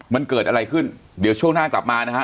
มันเกิดอะไรขึ้นเดี๋ยวช่วงหน้ากลับมานะฮะ